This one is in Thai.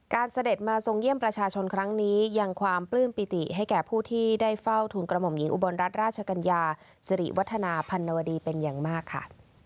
เสด็จมาทรงเยี่ยมประชาชนครั้งนี้ยังความปลื้มปิติให้แก่ผู้ที่ได้เฝ้าทุนกระหม่อมหญิงอุบลรัฐราชกัญญาสิริวัฒนาพันนวดีเป็นอย่างมากค่ะ